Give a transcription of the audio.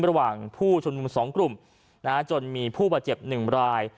ระหว่างผู้ชนมุมสองกลุ่มจนมีผู้ประเจ็บหนึ่งราย